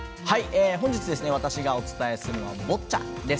本日、私がお伝えするのはボッチャです。